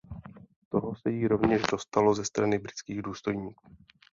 Toho se jí rovněž dostalo ze strany britských důstojníků.